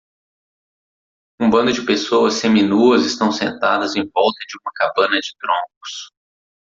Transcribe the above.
Um bando de pessoas seminuas estão sentadas em volta de uma cabana de troncos